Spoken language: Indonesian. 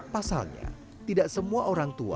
pasalnya tidak semua orang tua